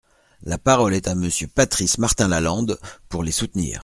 La parole est à Monsieur Patrice Martin-Lalande, pour les soutenir.